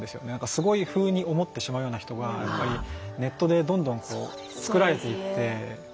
すごい風に思ってしまう人がやっぱりネットでどんどん作られていって。